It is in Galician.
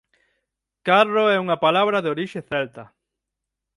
Carro é unha palabra de orixe celta.